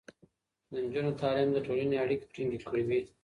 د نجونو تعليم د ټولنې اړيکې ټينګې کوي.